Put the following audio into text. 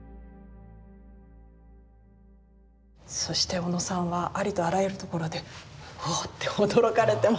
そして小野さんはありとあらゆるところで「お！」って驚かれてましたが。